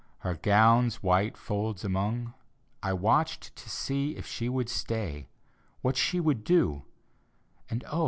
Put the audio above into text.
Her gown's white folds among. I watched to sec if she would stay, What she would do — and oh!